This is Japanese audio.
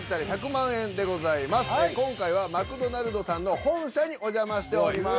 今回はマクドナルドさんの本社にお邪魔しておりまーす。